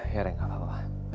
ya rengka apa apa